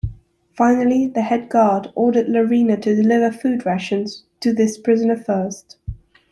Finally the head guard ordered Larina to deliver food rations to this prisoner first.